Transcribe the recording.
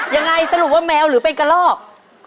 ยังไงสรุปว่าแมวหรือเป็นกระลอก